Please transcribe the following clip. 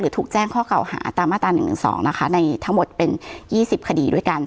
ถูกแจ้งข้อเก่าหาตามมาตรา๑๑๒นะคะในทั้งหมดเป็น๒๐คดีด้วยกัน